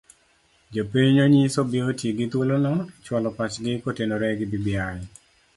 Jopiny onyis obi oti gi thuolono e chualo pachgi kotenore gi bbi